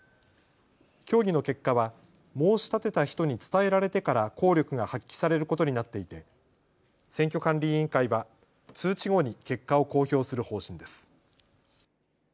協議の結果は申し立てた人に伝えられてから効力が発揮されることになっていて選挙管理委員会は通知後に結果を公表する方針です。